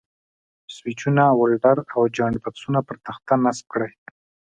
سویچونه، ولډر او جاینټ بکسونه پر تخته نصب کړئ.